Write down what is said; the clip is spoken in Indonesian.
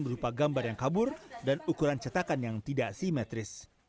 berupa gambar yang kabur dan ukuran yang berbeda